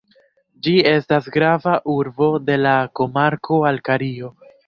Ĝi estas grava urbo de la komarko Alkario.